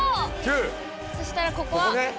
そしたらここはハッ！